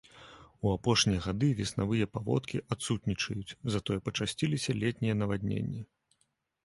У апошнія гады веснавыя паводкі адсутнічаюць, затое пачасціліся летнія навадненні.